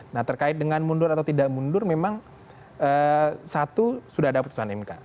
nah terkait dengan mundur atau tidak mundur memang satu sudah ada putusan mk